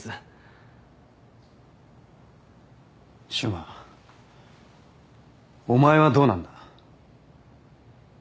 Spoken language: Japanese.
柊磨お前はどうなんだ。